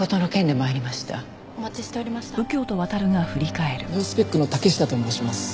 ネオスペックの竹下と申します。